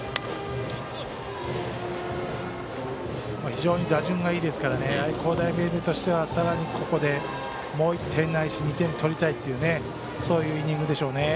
非常に打順がいいですから愛工大名電としてはさらに、ここでもう１点ないし２点取りたいというそういうイニングでしょうね。